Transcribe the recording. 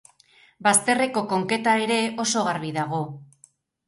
Bazterreko konketa ere oso garbi dago.